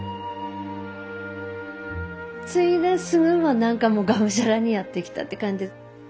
継いですぐは何かもうがむしゃらにやってきたって感じ。